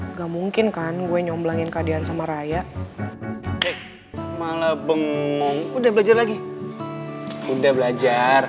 nggak mungkin kan gue nyomblangin kadian sama raya malah beng udah belajar lagi udah belajar